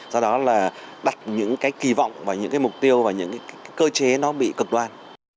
do đó là đặt những kỳ vọng và những mục tiêu và những cơ chế nó bị cực đoan